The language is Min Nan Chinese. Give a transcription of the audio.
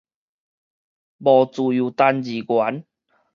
無自由單字元